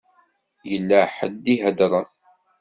Yella ḥedd i iheddṛen.